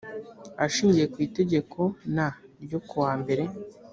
ashingiye ku itegeko n ryo kuwa mbere